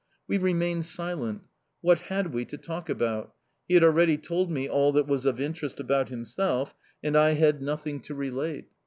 We remained silent. What had we to talk about? He had already told me all that was of interest about himself and I had nothing to relate.